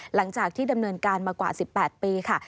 หลังจากที่ดำเนินการมากว่า๑๘ปีค่ะ